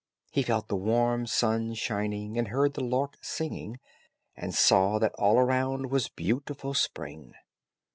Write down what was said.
He felt the warm sun shining, and heard the lark singing, and saw that all around was beautiful spring.